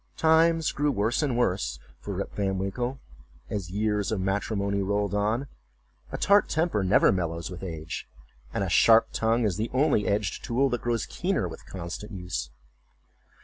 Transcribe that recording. Times grew worse and worse with Rip Van Winkle as years of matrimony rolled on; a tart temper never mellows with age, and a sharp tongue is the only edged tool that grows keener with constant use.